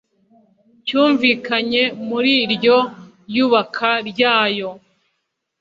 cyumvikanye muri iryo yubaka ryayo